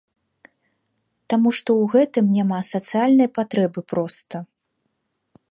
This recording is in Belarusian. Таму што ў гэтым няма сацыяльнай патрэбы проста.